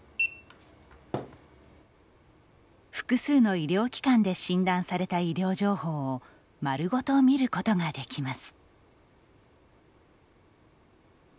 複数の医療機関で診断された医療情報を丸ごと見ることができます。